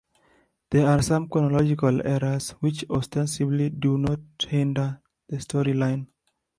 There are some chronological errors, which ostensibly do not hinder the storyline.